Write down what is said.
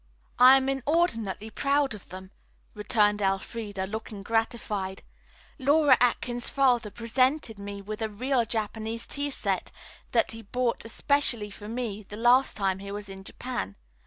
"I am inordinately proud of them," returned Elfreda, looking gratified. "Laura Atkins' father presented me with a real Japanese tea set that he bought especially for me the last time he was in Japan.